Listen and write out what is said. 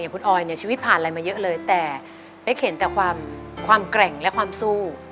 คุณออยเนี่ยชีวิตผ่านอะไรมาเยอะเลยแต่เป๊กเห็นแต่ความแกร่งและความสู้